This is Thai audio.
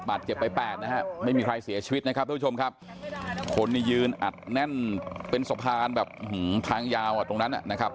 เจ็บไปแปดนะฮะไม่มีใครเสียชีวิตนะครับทุกผู้ชมครับคนนี้ยืนอัดแน่นเป็นสะพานแบบทางยาวอ่ะตรงนั้นนะครับ